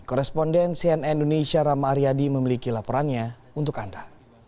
korespondensi nn indonesia rama aryadi memiliki laporannya untuk anda